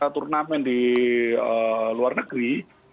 turnamen di luar negeri